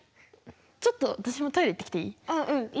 ちょっと私もトイレ行ってきていい？